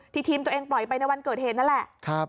ที่ทีมตัวเองปล่อยไปในวันเกิดเห็นนั่นแหละครับ